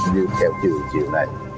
theo chiều này